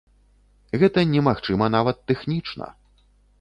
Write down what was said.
Гэта немагчыма нават тэхнічна.